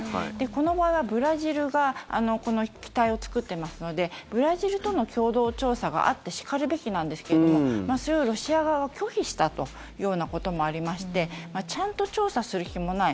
この場合は、ブラジルがこの機体を作っていますのでブラジルとの共同調査があってしかるべきなんですがそれをロシア側が拒否したというようなこともありましてちゃんと調査する気もない